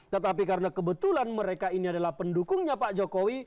tetapi karena kebetulan mereka ini adalah pendukungnya pak jokowi